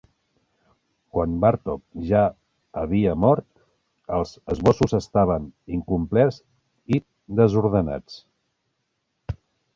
Quan Bartók ja havia mort, els esbossos estaven incomplets i desordenats.